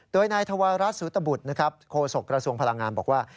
โดยนายธวรัฐสุตบุตรนะครับโฆษกระทรวงพลังงานบอกว่า